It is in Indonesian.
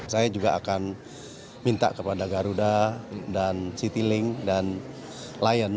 saya juga akan minta kepada garuda dan citylink dan lion